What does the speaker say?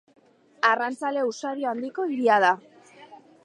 Arrantzale usadio handiko hiria da.